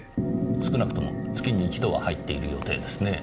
少なくとも月に一度は入っている予定ですねぇ。